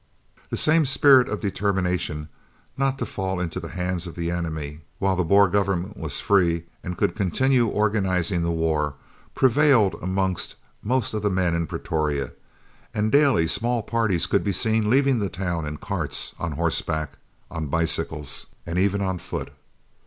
The same spirit of determination not to fall into the hands of the enemy while the Boer Government was free, and could continue organising the war, prevailed amongst most of the men in Pretoria, and daily small parties could be seen leaving the town, in carts, on horseback, on bicycles, and even on foot.